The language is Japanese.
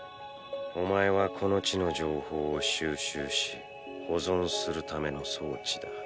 お前はこの地の情報を収集し保存するための装置だ。